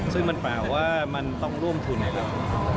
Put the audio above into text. ซึ่งมันแปลว่ามันต้องร่วมทุนให้เรา